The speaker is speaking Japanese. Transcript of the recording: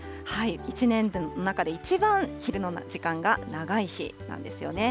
一年の中で一番昼の時間が長い日なんですよね。